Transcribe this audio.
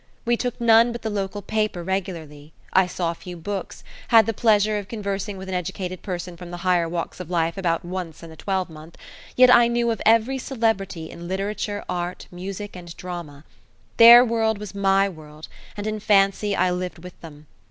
We took none but the local paper regularly, I saw few books, had the pleasure of conversing with an educated person from the higher walks of life about once in a twelvemonth, yet I knew of every celebrity in literature, art, music, and drama; their world was my world, and in fancy I lived with them.